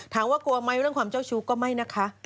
กลัวไหมเรื่องความเจ้าชู้ก็ไม่นะคะ